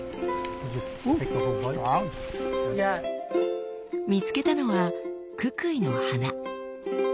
見つけたのはククイの花。